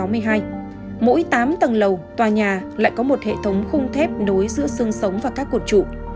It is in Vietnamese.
mỗi tám tầng lầu tòa nhà lại có một hệ thống khung thép nối giữa sương sống và các cột trụ